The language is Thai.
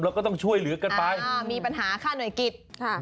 แล้วก็ต้องช่วยเหลือกันไปมีปัญหาค่าหน่วยกิจ